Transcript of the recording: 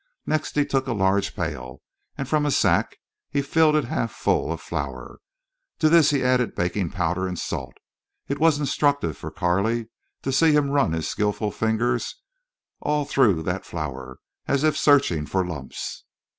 Next he took a large pail, and from a sack he filled it half full of flour. To this he added baking powder and salt. It was instructive for Carley to see him run his skillful fingers all through that flour, as if searching for lumps.